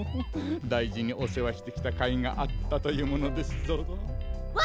だいじにおせわしてきたかいがあったというものですゾン。わ！